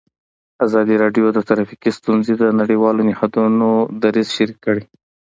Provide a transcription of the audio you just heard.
ازادي راډیو د ټرافیکي ستونزې د نړیوالو نهادونو دریځ شریک کړی.